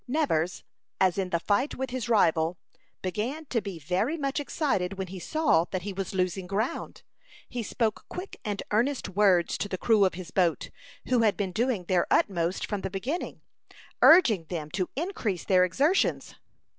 Nevers, as in the fight with his rival, began to be very much excited when he saw that he was losing ground. He spoke quick and earnest words to the crew of his boat, who had been doing their utmost from the beginning, urging them to increase their exertions.